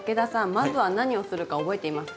まずは何をするか覚えていますか？